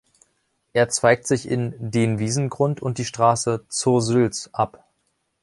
Er zweigt sich in „den Wiesengrund“ und die Straße „Zur Sülz“ ab.